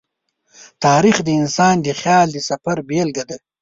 تاریخ د انسان د خیال د سفر بېلګه ده.